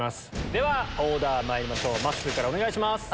ではオーダーまいりましょうまっすーからお願いします。